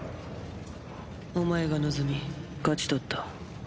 お前が望み勝ち取った。